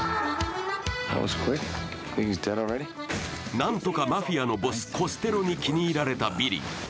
何とかマフィアのボス、コステロに気に入られたビリー。